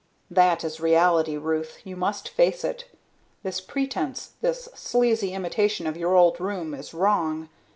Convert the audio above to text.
"That is reality, Ruth. You must face it. This pretense, this sleazy imitation of your old room is wrong.